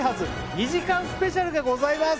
２時間スペシャルでございます！